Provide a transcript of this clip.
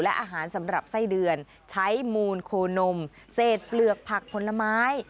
และอาหารสำหรับไส้เดือนใช้มูลโคนมเศษเปลือกผักผลไม้